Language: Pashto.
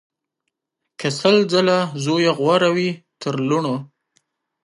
که سل ځله زویه غوره وي تر لوڼو